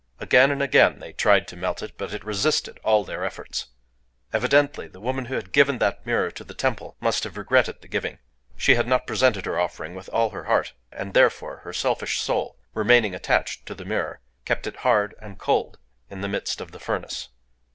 Again and again they tried to melt it; but it resisted all their efforts. Evidently the woman who had given that mirror to the temple must have regretted the giving. She had not presented her offering with all her heart; and therefore her selfish soul, remaining attached to the mirror, kept it hard and cold in the midst of the furnace.